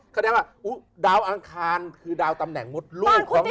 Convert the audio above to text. แสดงว่าดาวอังคารคือดาวตำแหน่งมดลูกของ